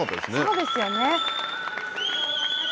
そうですよね。